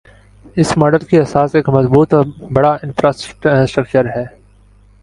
اس model کی اساس ایک مضبوط اور بڑا انفراسٹرکچر ہے۔